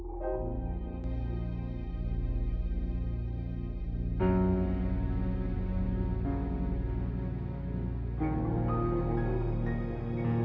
lu mau jadi jagoan disini loh